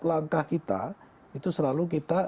langkah kita itu selalu kita